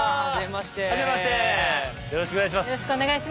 よろしくお願いします。